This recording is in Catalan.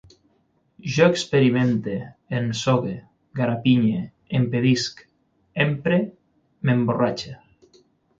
Jo experimente, ensogue, garapinye, impedisc, empre, m'emborratxe